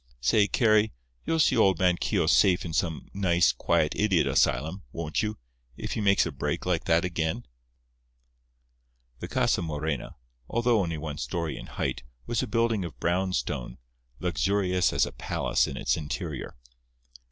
Say—Carry—you'll see old man Keogh safe in some nice, quiet idiot asylum, won't you, if he makes a break like that again?" The Casa Morena, although only one story in height, was a building of brown stone, luxurious as a palace in its interior.